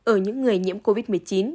ở những người nhiễm covid một mươi chín